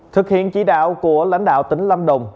thực hiện chỉ đạo của lãnh đạo tỉnh lâm đồng